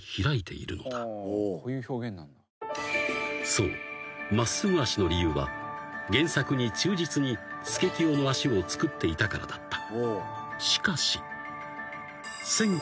［そう真っすぐ足の理由は原作に忠実にスケキヨの足を作っていたからだった］